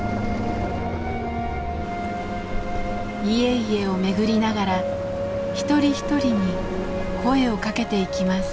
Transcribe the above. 家々を巡りながら一人一人に声をかけていきます。